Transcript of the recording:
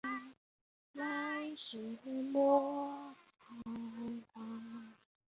莫纳维是位于美国亚利桑那州可可尼诺县的一个非建制地区。